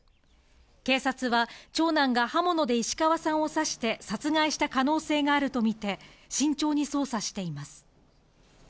警察は、長男が刃物で石川さんを刺して殺害した可能性があると見て、慎重に捜査しています。